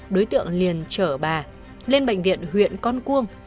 đối tượng liền chở bà lên bệnh viện huyện con cuông